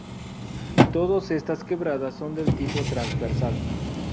Todos estas quebradas son del tipo transversal.